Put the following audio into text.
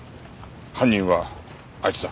犯人はあいつだ。